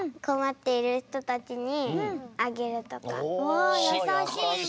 おやさしいね。